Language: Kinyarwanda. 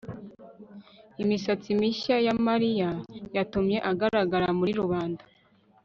imisatsi mishya ya mariya yatumye agaragara muri rubanda